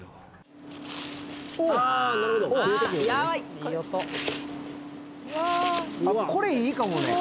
いい音あっこれいいかもね